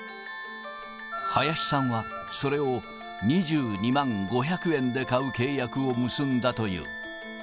林さんは、それを２２万５００円で買う契約を結んだという。